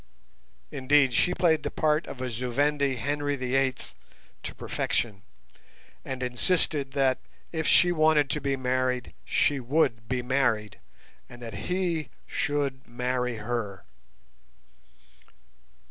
Indeed, she played the part of a Zu Vendi Henry the Eighth to perfection, and insisted that, if she wanted to be married, she would be married, and that he should marry her.